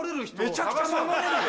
めちゃくちゃ守れるよ！